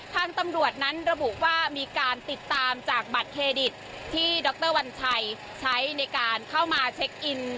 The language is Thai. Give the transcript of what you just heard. ทางตำรวจนั้นระบุว่ามีการติดตามจากบัตรเครดิตที่ดรวัญชัยใช้ในการเข้ามาเช็คอิน